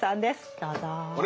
どうぞ。